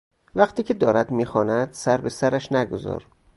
وقتی که دارد میخواند سر به سرش نگذار.